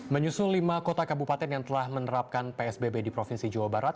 menyusul lima kota kabupaten yang telah menerapkan psbb di provinsi jawa barat